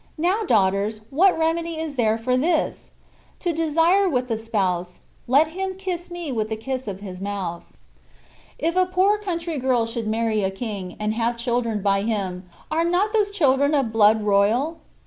Now, daughters, what remedy is there for this ? To desire with the Spouse, " Let Him kiss me with the kiss of His mouth.'' If a poor country girl should marry a king, and have children by him, are not those children of blood royal